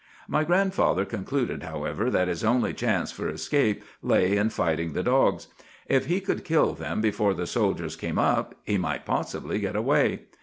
"My grandfather concluded, however, that his only chance for escape lay in fighting the dogs. If he could kill them before the soldiers came up, he might possibly get away.